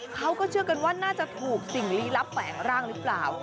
เขาก็เชื่อกันว่าน่าจะถูกสิ่งลี้ลับแฝงร่างหรือเปล่า